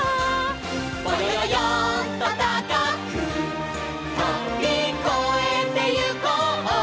「ぼよよよんとたかくとびこえてゆこう」